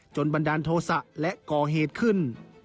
บันดาลโทษะและก่อเหตุขึ้น